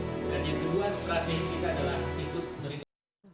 mereka tetap menunggu hasil survei di indonesia dan survei internal jenggala center